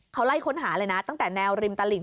เขาไล่ค้นหาเลยนะตั้งแต่แนวริมตลิ่ง